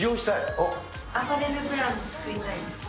アパレルブランド作りたいです。